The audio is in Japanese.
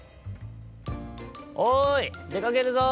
「おいでかけるぞ！」。